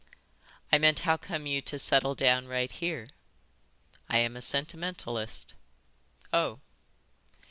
"I meant, how come you to settle down right here?" "I am a sentimentalist." "Oh!"